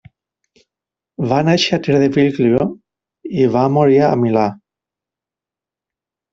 Va néixer a Treviglio i va morir a Milà.